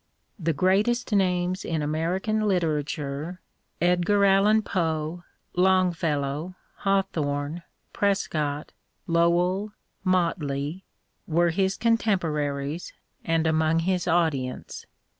The greatest names in American literature — Edgar Allan Poe, Longfellow, Haw thorne, Prescott, Lowell, Motley — ^were his con temporaries, and among his audience.